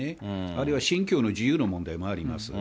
あるいは信教の自由の問題もあります。